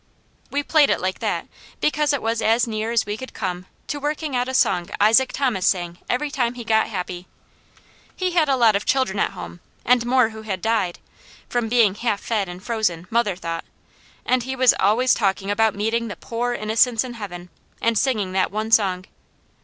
We played it like that, because it was as near as we could come to working out a song Isaac Thomas sang every time he got happy. He had a lot of children at home, and more who had died, from being half fed and frozen, mother thought; and he was always talking about meeting the "pore innocents" in Heaven, and singing that one song.